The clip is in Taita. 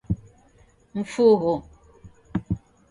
Mfugho